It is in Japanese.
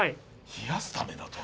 冷やすためだと。